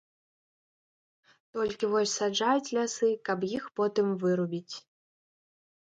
Толькі вось саджаюць лясы, каб іх потым вырубіць.